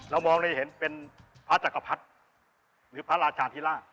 มองได้เห็นเป็นพระจักรพรรดิหรือพระราชาธิราช